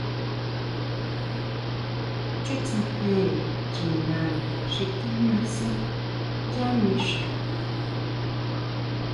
Chútsejere chingana xi tijnasú yá mixa.